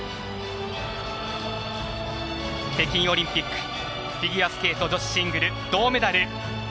北京オリンピックフィギュアスケート女子シングル銅メダル